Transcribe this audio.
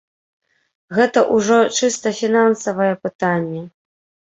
Гэта ўжо чыста фінансавае пытанне.